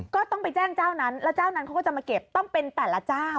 ก็ต้องไปแจ้งเจ้านั้นแล้วเจ้านั้นเขาก็จะมาเก็บต้องเป็นแต่ละเจ้า